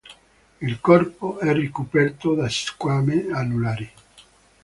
Il corpo è ricoperto da squame anulari.